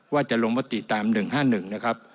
ว่าจะลงมติตาม๑๕๑นะครับ